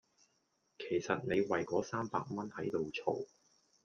其實你為嗰三百蚊喺度嘈